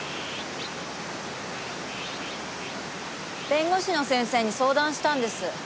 弁護士の先生に相談したんです。